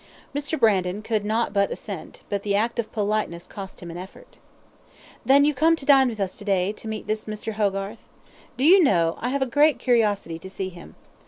Mr. Brandon could not but assent, but the act of politeness COSt him an effort. "Then you come to dine with us today, to meet this Mr. Hogarth? Do you know, I have a great curiosity to see him.